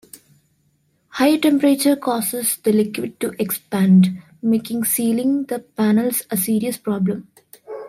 Higher temperatures cause the liquid to expand, making sealing the panels a serious problem.